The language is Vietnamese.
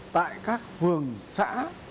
tại các phường xã